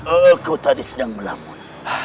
aku tadi sedang melamun